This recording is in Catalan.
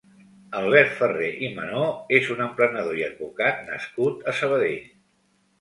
Albert Ferré i Menor és un emprenedor i advocat nascut a Sabadell.